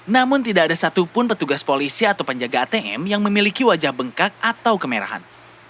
namun tidak ada satupun petugas polisi atau penjaga atm yang memiliki wajah bengkak atau kemerahan